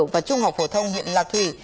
và trung học phổ thông huyện lạc thủy